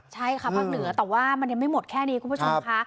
ใช่ค่ะภาคเหนือแต่ว่ามันยังไม่หมดแค่นี้คุณผู้ชมค่ะ